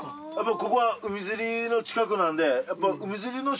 ここは海釣りの近くなんでやっぱり。